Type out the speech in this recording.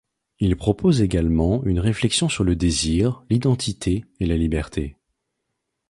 Il propose également une réflexion sur le désir, l'identité et la liberté.